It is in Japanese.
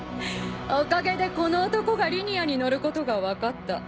おかげでこの男がリニアに乗ることが分かった。